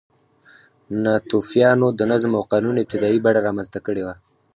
ناتوفیانو د نظم او قانون ابتدايي بڼه رامنځته کړې وه.